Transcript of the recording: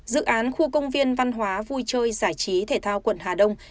dự án khu công viên văn hóa vui chơi giải trí thể thao quận hà đông